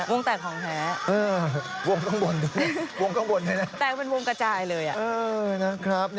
ว่งแตกของแท้